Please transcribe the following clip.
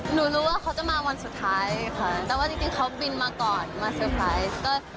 หนูรู้ว่าเขาจะมาวันสุดท้ายค่ะแต่ว่าจริงเขาบินมาก่อนมาเซอร์ไพรส์